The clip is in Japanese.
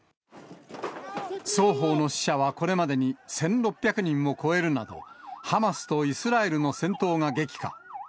双方の死者はこれまでに１６００人を超えるなど、ハマスとイスラエルの戦闘が激化。